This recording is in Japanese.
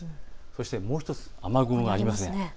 そしてもう１つ雨雲があります。